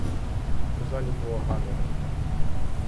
У залі було гамірно.